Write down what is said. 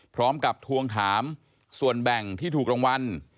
พร้อมกับทวงถามส่วนแบ่งที่ถูกรางวัล